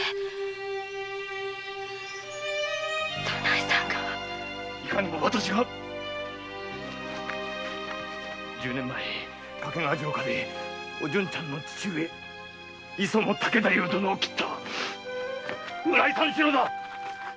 左内さんが⁉いかにも私は十年前掛川城下でお順ちゃんの父上・磯野武太夫殿を斬った村井三四郎だ。